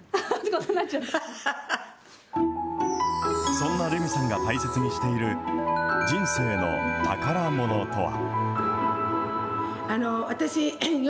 そんなレミさんが大切にしている、人生の宝ものとは。